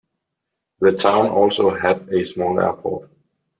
The town also had a small airport.